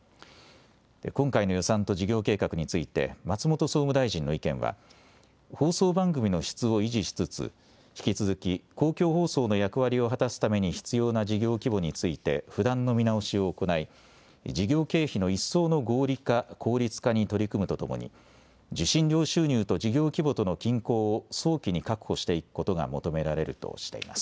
今回の予算と事業計画について松本総務大臣の意見は放送番組の質を維持しつつ引き続き公共放送の役割を果たすために必要な事業規模について不断の見直しを行い、事業経費の一層の合理化・効率化に取り組むとともに受信料収入と事業規模との均衡を早期に確保していくことが求められるとしています。